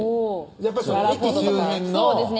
やっぱり駅周辺のそうですね